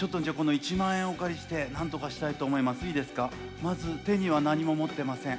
まず手には何も持ってません。